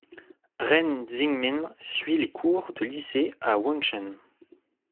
Ren Xinmin suivit les cours de lycée à Xuancheng.